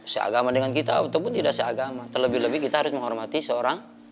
seagama dengan kita ataupun tidak seagama terlebih lebih kita harus menghormati seorang